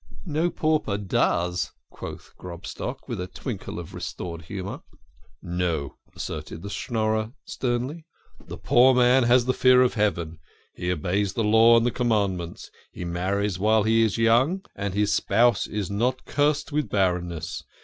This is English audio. " No pauper does," quoth Grobstock, with a twinkle of restored humour. 12 THE KING OF SCHNORRERS. " No," assented the Schnorrer sternly. " The poor man has the fear of Heaven. He obeys the Law and the Com mandments. He marries while he is young and his spouse is not cursed with barrenness.